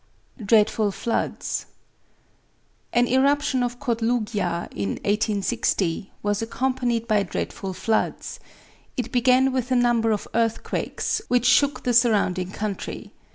DREADFUL FLOODS An eruption of Kotlugja, in 1860, was accompanied by dreadful floods. It began with a number of earthquakes, which shook the surrounding country.